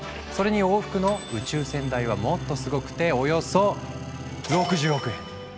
それに往復の宇宙船代はもっとすごくておよそ６０億円。